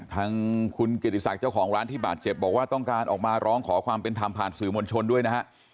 ทางคุณเกียรติศักดิ์เจ้าของร้านที่บาดเจ็บบอกว่าต้องการออกมาร้องขอความเป็นธรรมผ่านสื่อมวลชนด้วยนะฮะ